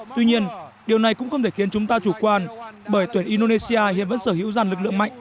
tuy nhiên điều này cũng không thể khiến chúng ta chủ quan bởi tuyển indonesia hiện vẫn sở hữu dàn lực lượng mạnh